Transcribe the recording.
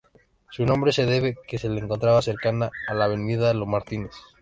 Su nombre se debe a que se encontrará cercana a la Avenida Lo Martínez.